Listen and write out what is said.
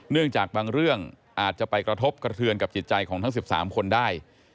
จากบางเรื่องอาจจะไปกระทบกระเทือนกับจิตใจของทั้ง๑๓คนได้